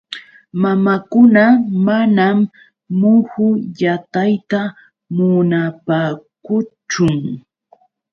Mamakuna manam muhu yatayta munaapaakuchun.